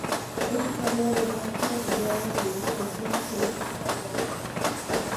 Es un trofeo de bronce y oro del escultor Tristano Alberti.